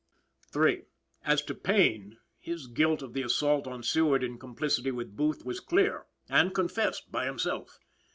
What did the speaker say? III. As to Payne, his guilt of the assault on Seward in complicity with Booth was clear, and confessed by himself.